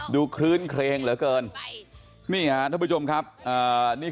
ดูท่าทางฝ่ายภรรยาหลวงประธานบริษัทจะมีความสุขที่สุดเลยนะเนี่ย